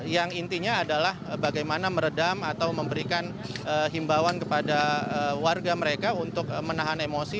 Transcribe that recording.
yang intinya adalah bagaimana meredam atau memberikan himbawan kepada warga mereka untuk menahan emosi